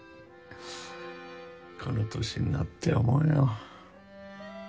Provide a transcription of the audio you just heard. この年になって思うよ。